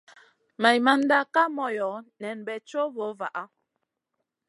Maimanda Kay moyo nen bey co vo vaha.